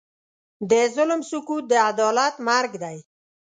د ظلم سکوت، د عدالت مرګ دی.